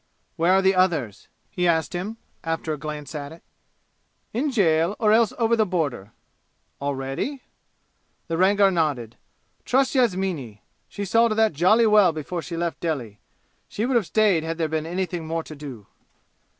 "Where are the others?" he asked him, after a glance at it. "In jail, or else over the border." "Already?" The Rangar nodded. "Trust Yasmini! She saw to that jolly well before she left Delhi! She would have stayed had there been anything more to do!"